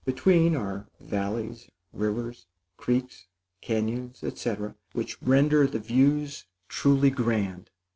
Between are valleys, rivers, creeks, cañons, etc., which render the views truly grand.